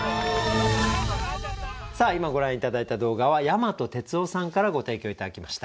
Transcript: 今ご覧頂いた動画は大和哲雄さんからご提供頂きました。